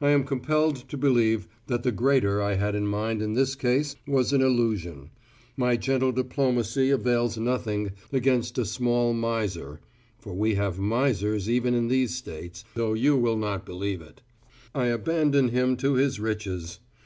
I am compelled to believe that the greater I had in mind in this case was an illusion: my gentle diplomacy avails nothing against a small miser for we have misers even in these States, though you will not believe it. I abandon him to his riches!